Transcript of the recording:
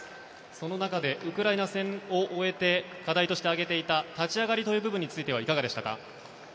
その中でウクライナ戦を終えて課題として挙げていた立ち上がりという部分についてはいかがでしたか？